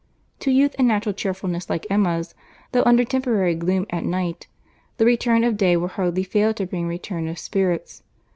To youth and natural cheerfulness like Emma's, though under temporary gloom at night, the return of day will hardly fail to bring return of spirits.